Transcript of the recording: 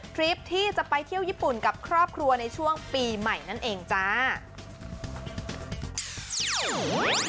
คลิปที่จะไปเที่ยวญี่ปุ่นกับครอบครัวในช่วงปีใหม่นั่นเองจ้า